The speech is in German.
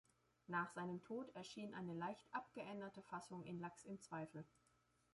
Nach seinem Tod erschien eine leicht abgeänderte Fassung in Lachs im Zweifel.